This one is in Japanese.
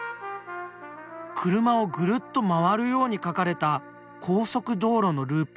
車をぐるっと回るように描かれた高速道路のループ。